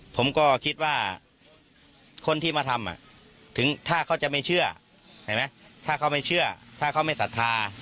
ผมก็คิดว่าคนที่มาทำถึงถ้าเขาจะไม่เชื่อเห็นไหมถ้าเขาไม่เชื่อถ้าเขาไม่ศรัทธา